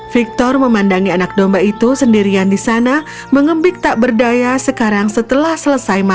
victor memandangi anak domba itu sendirian di sana mengembik tak berdaya sekarang setelah selesai makan